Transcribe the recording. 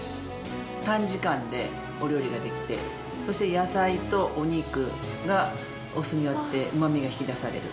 短時間でお料理ができてそして野菜とお肉がお酢によってうま味が引き出される。